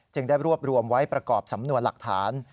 ได้รวบรวมไว้ประกอบสำนวนหลักฐาน